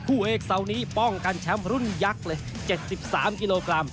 คู่เอกเสาร์นี้ป้องกันแชมป์รุ่นยักษ์เลย๗๓กิโลกรัม